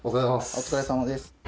お疲れさまです。